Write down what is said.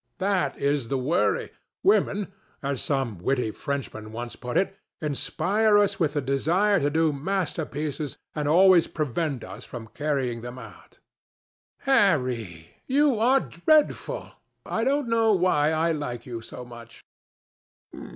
That is the worry. Women, as some witty Frenchman once put it, inspire us with the desire to do masterpieces and always prevent us from carrying them out." "Harry, you are dreadful! I don't know why I like you so much."